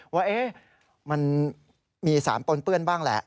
ว่ามันมีสารปนเปื้อนบ้างแหละ